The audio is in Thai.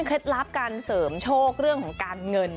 ก็ได้เหมือนกัน